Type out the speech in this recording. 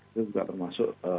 itu juga termasuk